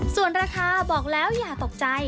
ส่วนราคาบอกแล้วอย่าตกใจ